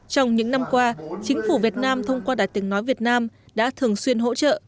trong những năm qua chính phủ việt nam thông qua đài tiếng nói việt nam đã thường xuyên hỗ trợ